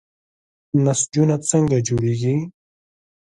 نسجونه څنګه جوړیږي؟